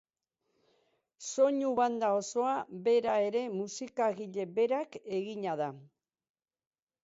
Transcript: Soinu banda osoa bera ere musikagile berak egina da.